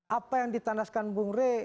apa yang ditandaskan bung rey